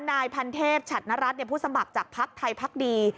นายพันเทพฉัดนรัฐผู้สมัครจากพักไทยพักดี